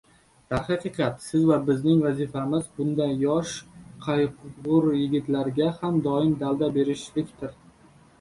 Darhaqiqat, siz va bizning vazifamiz bunday yosh, g‘ayur yigitlarga ham doim dalda berishlikdir.